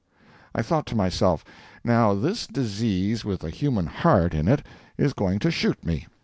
I thought to myself, "Now this disease with a human heart in it is going to shoot me."